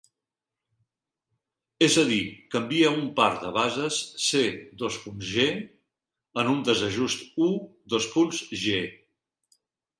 És a dir, canvia un par de bases C:G en un desajust U:G.